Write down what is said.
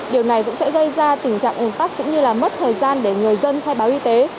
điều này cũng sẽ gây ra tình trạng ủng tắc cũng như là mất thời gian để người dân khai báo y tế